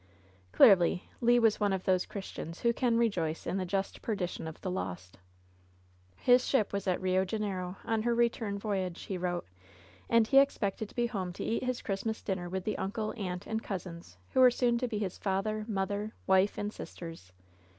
Clearly, Le was one of those Chris tians who can rejoice in the just perdition of the lost. His ship was at Eio Janeiro, on her return voyage, he wrote, and he expected to be home to eat his Christ mas dinner with the uncle, aunt and cousins who were soon to be his father, mother, wife and sisters.